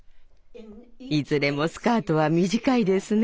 いずれもスカートは短いですね。